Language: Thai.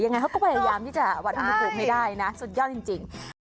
ยังไงเขาก็พยายามที่จะหวัดธรรมกลุ่มให้ได้นะสุดยอดจริง